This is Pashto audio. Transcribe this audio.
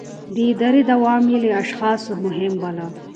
د ادارې دوام يې له اشخاصو مهم باله.